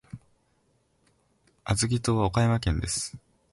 小豆島は岡山県です。